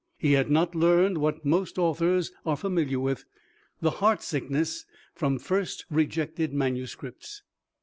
He had not learned, what most authors are familiar with, the heart sickness from first rejected manuscripts.